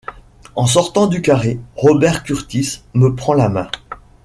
En sortant du carré, Robert Kurtis me prend la main.